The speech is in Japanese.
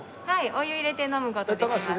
お湯入れて飲む事できます。